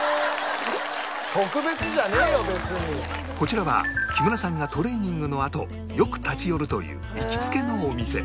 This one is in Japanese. こちらは木村さんがトレーニングのあとよく立ち寄るという行きつけのお店